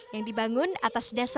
yang dibangun atas dasar ibu dewi sartika